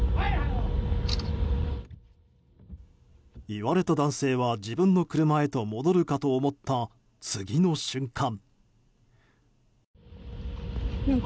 言われた男性は自分の車へと戻るかと思った次の瞬間。